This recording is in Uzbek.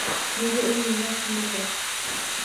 Nega u mendan qimmatroq